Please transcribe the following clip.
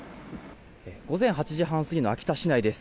午前８時半過ぎの秋田市内です。